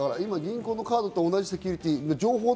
銀行のカードと同じセキュリティー。